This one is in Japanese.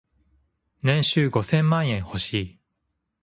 年収五千万円欲しい。